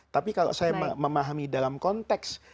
tapi kalau saya memahami dalam konteks